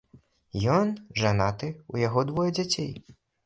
Ён жанаты, у яго двое дзяцей.